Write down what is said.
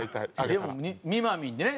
でも「みまみん」ね